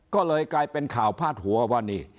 ก็เลยกลายเป็นข่าวพาดหัวว่านี่